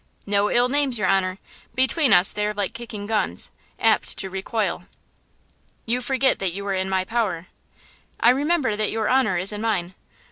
"No ill names, your honor–between us they are like kicking guns–apt to recoil!" "You forget that you are in my power!" "I remember that your honor is in mine!